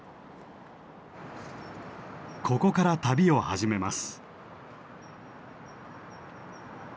ここから旅を始めます。